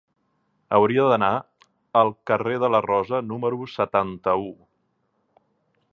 Hauria d'anar al carrer de la Rosa número setanta-u.